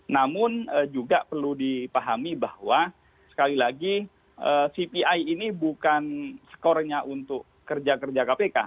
namun juga perlu dipahami bahwa sekali lagi cpi ini bukan skornya untuk kerja kerja kpk